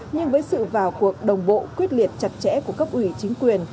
nhưng với sự vào cuộc đồng bộ quyết liệt chặt chẽ của cấp ủy chính quyền